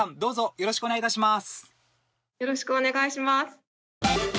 よろしくお願いします。